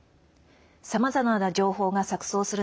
さまざまな情報が錯そうする